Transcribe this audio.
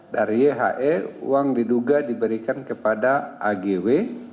dari yhe uang diduga diberikan kepada agw